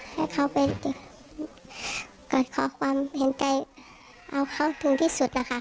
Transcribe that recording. ให้เค้าขอความเห็นใจเอาเค้าถึงที่สุดระคะคนร้าย